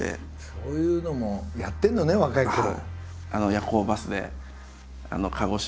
そういうのもやってるのね若いころ。